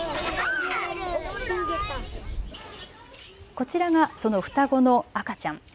こちらがその双子の赤ちゃん。